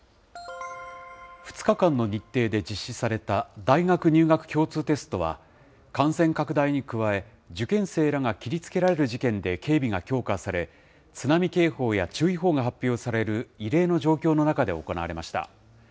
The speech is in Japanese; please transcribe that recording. ２日間の日程で実施された大学入学共通テストは、感染拡大に加え、受験生らが切りつけられる事件で警備が強化され、津波警報や注意報が発表される異例の状況の中で行われました。